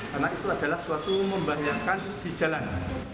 karena itu adalah suatu membahayakan di jalan